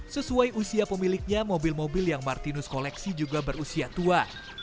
sesuai usia pemiliknya mobil mobil yang martinus koleksi juga berusia tua